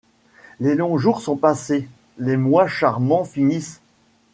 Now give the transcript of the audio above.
Les longs jours sont passés ; les mois charmants finissent.